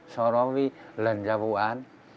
sau đó mới lần ra vụ án